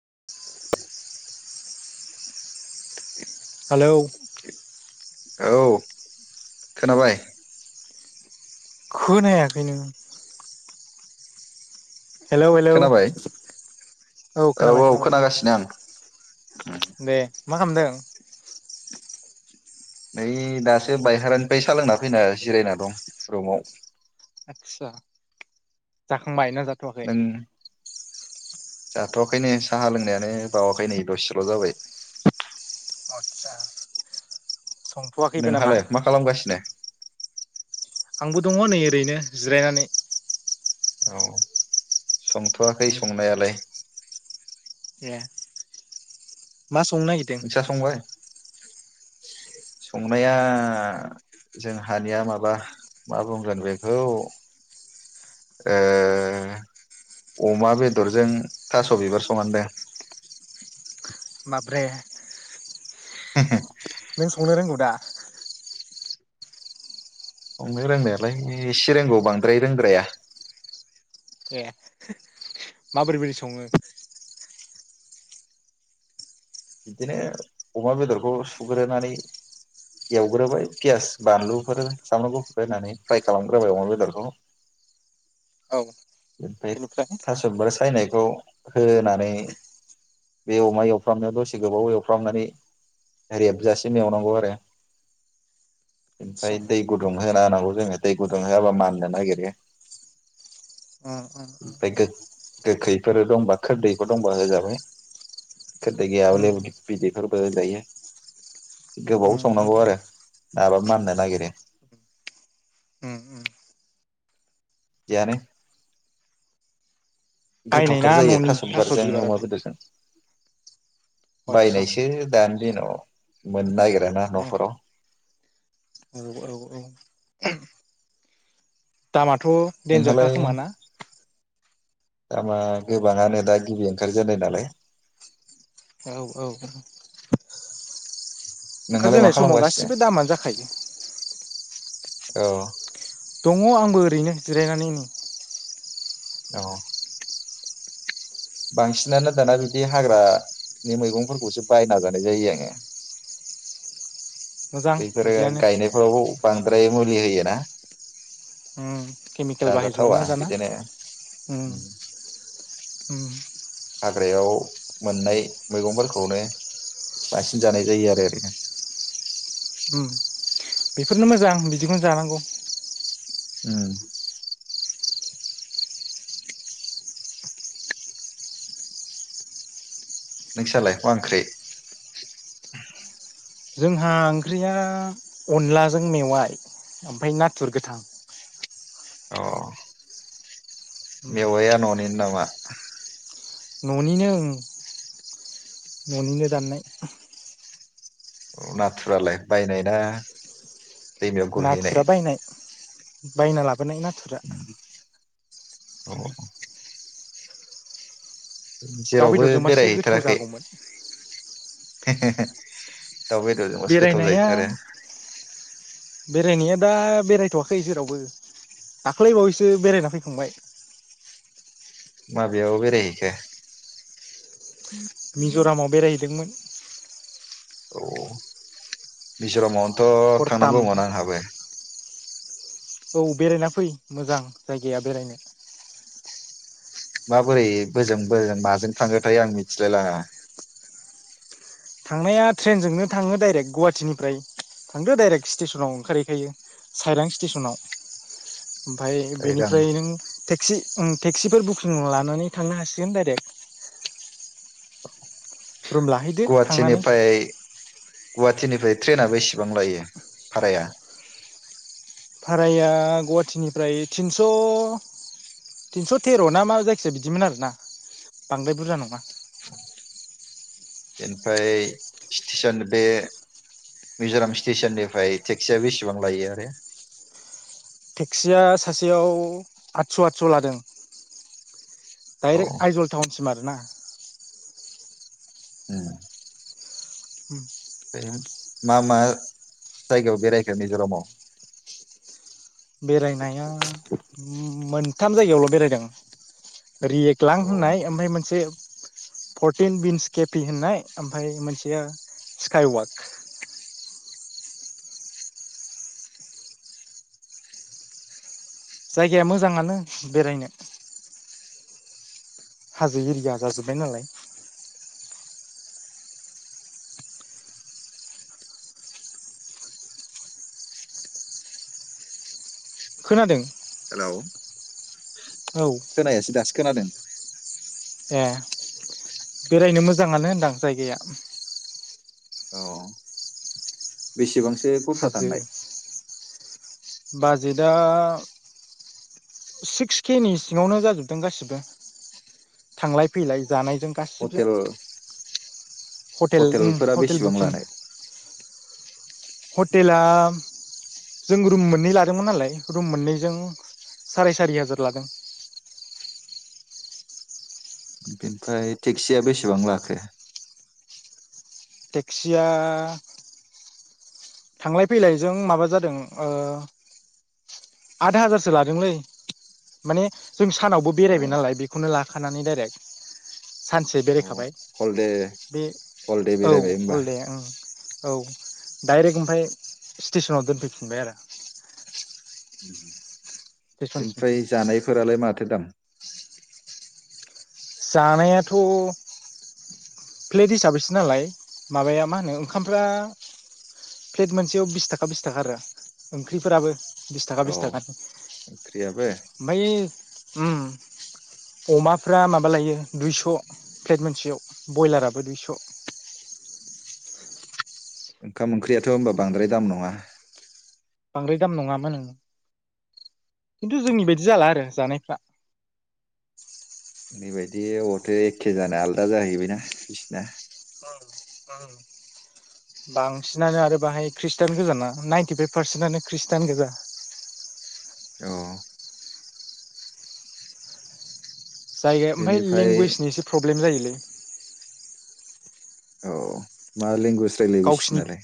[unintelligible] Hello औ खोनाबाय। खोनायाखै नों हेलौ खोनाबाय औ खोनाबाय औ खोनाबाय खोनागासिनो आं दे मा खालामदों? नै दासो बायहेरानिफ्राय सालोंना फैना जिरायना दं रुमाव। आदसा जाखांबाय ना जाथ'वाखै जों जाथ'वखैनो साहा लोंनायानो बावाखै नै दसेल' जाबाय। आदसा संथ'वाखैबो नामा नोंहालाय मा खालामगासिनो? आंबो दङ नै ओरैनो जिरायनानै औ। संथ'वाखै उम संनायालाय ए। मा संनो नागिरदों? नोंस्रा संबाय संनाया जोंहानिया माबा मा बुंगोन बेखौ ओ अमा बेदरजों थास' बिबार संनादों। बाबरे। [unintelligible] संनो रोंनायालाय एसे रोंगौ बांद्राय रोद्राया। ए माबोरै बोरै सङो? बिदिनो अमा बेदरखौ सुग्रोनानै एवग्रोबाय पियास बानलुफोर सामब्रामखौ हुग्रोनानै फ्राय खालामग्रोबाय अमा बेदरखौ औ [unintelligible] बेनिफ्राय थासो बिबार सा खौ होनानै बे अमा एवफ्रामनायाव दसे गोबाव एवफ्रामनानै रेबजासिम एवनांगौ आरो आदसा ओमफ्राय दै गुदुं होना होनांगौ जोङो दै गुदुं होआबा माननो नागिरो उम उम उम ओमफ्राय गोखैफोर दंबा खोरदैफोर दंबा होजाबाय खोरदै उम गैयाबोला बिदैफोरबो होजायो गोबाव उम उम संनांगौ आरो नाबा माननो नागिरो। उम उम जिआनो बायनाय ना गोथावथार जायो न'नि थास' थास'बारजों अमा बिबारालाय बेदरजों आदसा बायनायसो दानो बिनि उनाव मोननो ना गिराना उम न'फोराव। औ औ औ दामा थ' दडेनजारखा नोंहालाय खोमाना? दामा गोबाङानो दा गिबि ओंखारजेननाय नालाय। औ औ औ। नोंहालाय मा ओंखारजेननाय समाव खालामगासिनो गासिबो दामानो जाखायो। औ दङ आंबो ओरैनो जिरायनानै नै। औ बांसिनानो दाना बिदि हाग्रानि मैगंफोरखौसो बायना जानाय जायो आङो। मोजां बैफोरो बिदियानो गायनायफोराव बां द्राय मुलि होयो ना उम केमिकेल बाहाय जोबोना दाना बिदिनो उम उम हाग्रायाव मोननाय मैगंफोरखौनो बांसिन जानाय जायो आरो ओरैनो। ओम बेफोरनो मोजां बिदिखौनो जानांगौ। उम। नोंसालाय मा ओंख्रि। जोंहा ओंख्रिया अनलाजों मेवाइ ओमफ्राय नाथुर गोथां। अ उम मेवाया न'निनो नामा? आह न'निनो ओं न'निनो दाननाय। नाथुरालाय बायनाय ना दैमायाव गुरहैनाय नाथुरा बायनाय बायना लाबोनाय नाथुरा। औ उम दाउ जेरावबो बेदरजोंबासो गोथाव बेरायहैथाराखै? जागौमोन हे हे हे बेरायनाया बेरायनाया दा बेरायथ'वाखै जेरावबो दाख्लैबावैसो बेरायना फैखांबाय। माबेयाव बेराय हैखो? मिज'रामाव बेरायहैदोंमोन। औ मिजरामाव थ' हरथाम थांनांगौमोन आंहाबो। औ बेरायना फै मोजां जायगाया बेरायनो। माबोरै बोजों बोजों माजों थाङोथाय आं मिथिलाय लाङा। थांनाया ट्रेनजोंनो थाङो डाइरेक्ट गहाटिनिफ्राय थांदो डाइरेक्ट स्टेसनाव ओंखारहैखायो साइलां स्टेसनाव। ओमफाय आं बेनिफ्राय नों टेक टेक्सि टेक्सिफोर बुकिं लानानै थांनो हासिगोन डाइरेक्ट रुम लाहैदो थांनानै गुहाथिनिफ्राय गुवाहाटिनिफ्राय ट्रेनआबो इसेबां लायो भाराया भाराया गुवाहाटिनिफ्रायिनस' तिनस' थेर' ना मा जायखिजाया बिदिमोन आरोना बांद्राय बुरजा नङा। बेनिफ्राय स्टेसन बे मिज'राम स्टेसननिफ्राय टेक्सिया बेसेबां लायो आरो। टेक्सिया सासेयाव आतस' आतस' लादों। औ दाइरेक्ट आइजल थाउन सिम आरो ना? ए उम मा मा जायगायाव बेरायखो मिज'रामाव? बेरायनाया मोन थाम जायगायावल' बेरायदों। रियेक्ट लां औ होननाय ओमफ्राय मोनसे फर्टिन बिन्स केपि होननाय ओमफ्राय मोनसेया स्काइवाक जायगाया मोजाङानो बेरायनो हाजो एरिया जाजोब्बाय नालाय खोनादों। हेलौ औ खोनायासै दाससि खोनादों ए बेरायनो मोजाङानो होनदां जायगाया औ बेसेबांसो बेसेबांसो खरसा‌ हाजो दाननाय बाजेटआ सिक्स के नि सिङावनो जाजोबदों गासिबो थांलाय फैलाय जानायजों गासिबजों हटेल हटेल हटेलफोरा हटेल बेसेबां बुकिं लानाय हटेला जों रुम मोननै लादोंमोन नालाय रुम मोननैजों साराय सारि हाजार लादों। बेनिफ्राय टेक्सिया बेसेबां लाखो। टेक्सिया थांलाय फैलायजों माबा जादों आद हाजारसो लादोंलै माने जों सानावबो औ बेरायबाय नालाय बेखौनो थानानै डाइरेक्ट सानसे औ बेरायखाबाय हल दे बे हल दे औ बेरायबाय होमबा हल दे ओं औ डाइरेक्ट ओमफ्राय स्टेसनाव दोनफैफिनबाय आरो उम स्टेसनसिम बेनिफ्राय जानायफोरालाय माथो दाम? जानायाथ' प्लेट हिसाबैसो नालाय माबाया मा होनो ओंखामफ्रा प्लेट मोनसेयाव बिस थाखा बिस थाखा आरो ओंख्रिफोराबो बिस थाखा औ बिस थाखि ओंख्रियाबो ओमफायो ओम अमाफ्रा माबा लायो दुइस' फ्लेट मोनसेयाव ब्रयलाराबो दुइस' ओंखाम ओंख्रियाथ' होनबा बांद्राय दाम नङा। बांद्राय दाम नङामोन ओं खिन्थु जोंनि बायदि जाला आरो जानायफ्रा ओरैबायदि अबावथो एखे जानो आलदा जाहैबायना बिसिना बांसिनानो आरो बाहाय खृष्टान गोजाना नाइनटिफाइभ पारसेन्टआनो खृष्टान गोजा औ। जायगाया ओमफ्राय बेनिफ्राय लेंगुवेजनि एसे प्रब्लेम जायो। [inaudible] औ मा लेंगुवेज रायलायो गावसिनि बिसिनालाय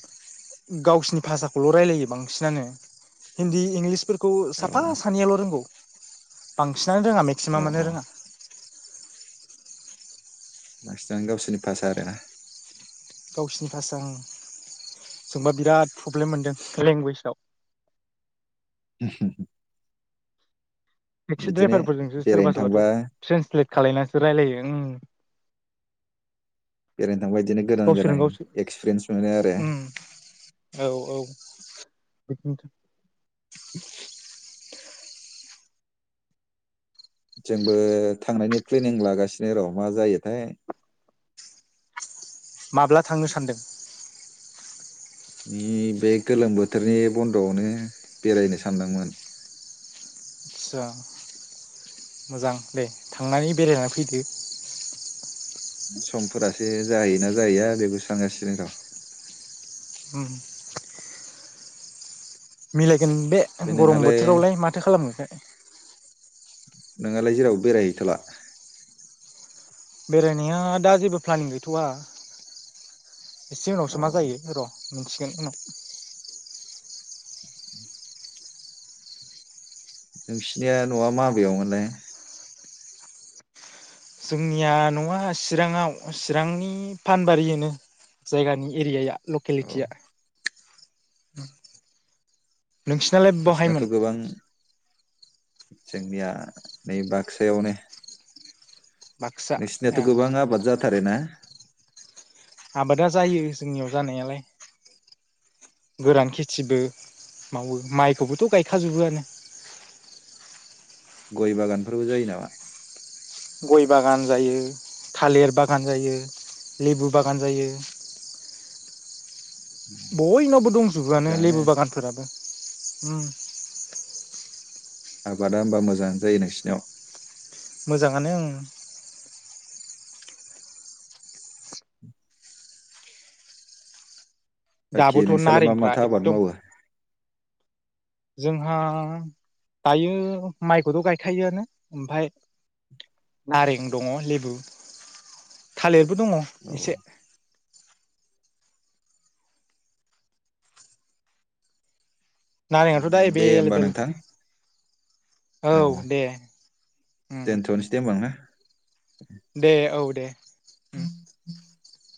गावसिनि भाषाखौल' रायलायो बांसिन। बांसिनानो हिनदि इंलिसफोरखौ औ साफा सानैयाल' रोंगौ। बांसिन रोङा औ मेक्सिमामानो औ रोङा। बांसिनानो गावसोरनि भाषा आरोना गावसिनि भाषा ओं जोंबा बिराद प्रब्लेम मोनदों लेंगुवेजाव। ओहम टेक्सि ड्राइभारफोरजोंसो सोरबा बेरायनो सोरबाथ' थांबा ट्रेनसलेट खालामलायनानैसो रायलायो ओं। [unintelligible] नोंबायदिनो गोदान गोदान एक्सपिरियेन्स मोनो आरो उम औ [unintelligible] जोंबो थांनायनि प्लेनिं लागासिनो र' मा जायोथाय। माब्ला थांनो सानदों? बे गोलोम बोथोरनि बन्द'आवनो बेरायनो सानदोंमोन। आदसा मोजां दे थांनानै बेरायनानै फैदो। समफोरासो जाहैना जाहैया बेबो सानगासिनो र'। उम। मिलाय गोन बे ओमफ्राय गरम नोंहालाय बोथोरावलाय माथो खालामनो? नोंहालाय जेराव बेरायहैथ'ला? बेरायनाया दा जेबो प्लानिं गैथ'वा एसे औ उनावसो मा जायो र'। मोनथिगोन उनाव। नोंसिनिया न'आ माबेयावमोनलाय? जोंनिया नङा चिराङाव चिरांनि फानबारियो जायगानि एरियाया औ लकेलिटिया [unintelligible] नोंसिनालाय नोंसिनाथ' बहायमोन? गोबां जोंनिया नै बाक्सायावनो बाक्सा ए नोंसिनियाथ' गोबां आबाद जा थारो ना आबादा जायो जोंनियाव जानायालाय गोरान खेथिबो मावो माइखौबोथ' गायखाजोबोआनो गय बागानफोरबो जायो नामा? गय बागान जायो थालिर बागान जायो लेबु बागान जायो बयनावबो दंजोबोआनो मोजाङानो लेबु बागानफोराबो [unintelligible] उम आबादा होमबा मोजाङानो जायो नोंसिनियाव मोजाङानो ओं बाखि दाबोथ' नोंसोरलाय मा नारेंफ्रा माथो आबाद एकदम मावो जोंहा दायो माइखौथ' गायखायोआनो ओमफाय नारें दङ लेबु थालिरबो दङ औ एसे नारेंआथ' दा एबे दे होमबा लेबेल नोंथां औ दे ओम दे दोनथ'नोसै होमबा ना दे औ दे [unintelligible]